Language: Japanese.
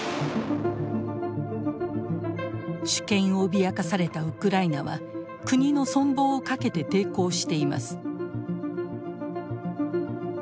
主権を脅かされたウクライナは国の存亡をかけて抵抗しています。